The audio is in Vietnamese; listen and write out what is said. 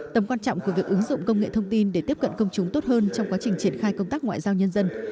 tầm quan trọng của việc ứng dụng công nghệ thông tin để tiếp cận công chúng tốt hơn trong quá trình triển khai công tác ngoại giao nhân dân